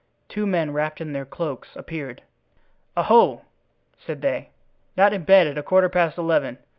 Two men, wrapped in their cloaks, appeared. "Oho!" said they, "not in bed at a quarter past eleven.